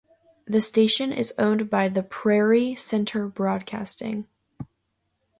The station is owned by The Prairie Center Broadcasting.